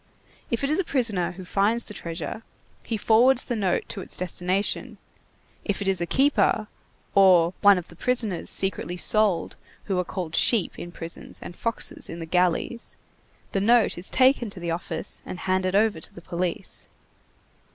If it is a prisoner who finds the treasure, he forwards the note to its destination; if it is a keeper, or one of the prisoners secretly sold who are called sheep in prisons and foxes in the galleys, the note is taken to the office and handed over to the police.